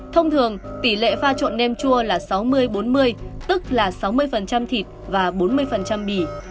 thông thường tỷ lệ pha trộn nem chua là sáu mươi bốn mươi tức là sáu mươi thịt và bốn mươi bì